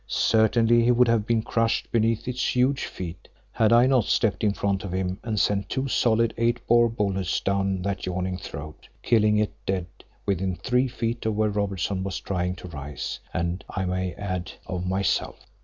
Certainly he would have been crushed beneath its huge feet had I not stepped in front of him and sent two solid eight bore bullets down that yawning throat, killing it dead within three feet of where Robertson was trying to rise, and I may add, of myself.